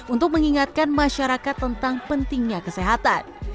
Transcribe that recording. untuk mengingatkan masyarakat tentang pentingnya kesehatan